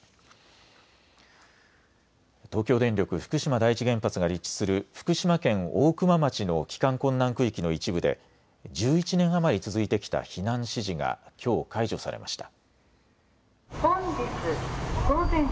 東京電力福島第一原発が立地する福島県大熊町の帰還困難区域の一部で１１年余り続いてきた避難指示がきょう解除されました。